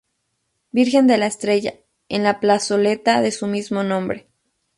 Virgen de la Estrella, en la plazoleta de su mismo nombre.